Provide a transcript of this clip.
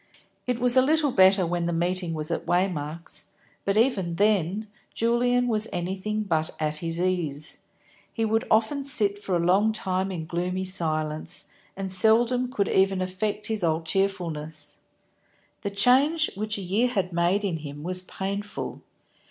It was a little better when the meeting was at Waymark's, but even then Julian was anything but at his ease. He would often sit for a long time in gloomy silence, and seldom could even affect his old cheerfulness. The change which a year had made in him was painful.